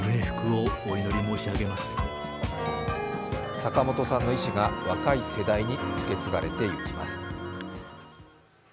坂本さんの遺志が若い世代に受け継がれていきます。